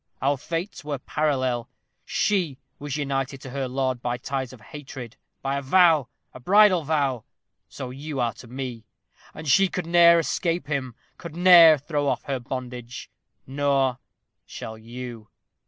Our fates were parallel: she was united to her lord by ties of hatred by a vow a bridal vow! So are you to me. And she could ne'er escape him could ne'er throw off her bondage nor shall you.